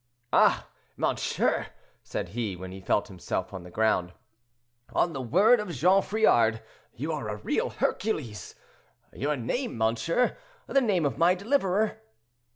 "Ah! monsieur," said he, when he felt himself on the ground, "on the word of Jean Friard, you are a real Hercules; your name, monsieur? the name of my deliverer?"